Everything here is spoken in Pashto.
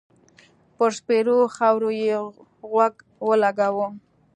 پر سپېرو خاور يې غوږ و لګاوه.